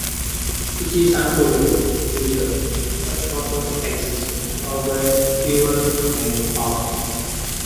It is unclear whether such photos existed or were ever made public.